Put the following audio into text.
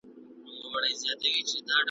له یوې توري بلا خلاصېږې .